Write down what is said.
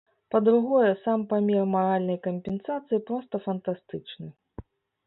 Па-другое, сам памер маральнай кампенсацыі проста фантастычны.